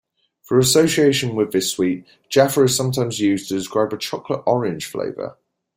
Through association with this sweet, Jaffa is sometimes used to describe a chocolate-orange flavour.